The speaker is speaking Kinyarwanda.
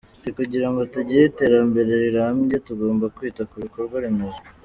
Ati ”Kugira ngo tugire iterambere rirambye tugomba kwita ku bikorwa remezo”.